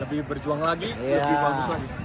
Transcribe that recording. lebih berjuang lagi lebih bagus lagi